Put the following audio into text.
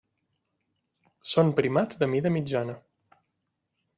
Són primats de mida mitjana.